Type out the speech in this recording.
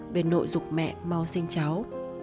về nội dục mẹ mau sinh cháu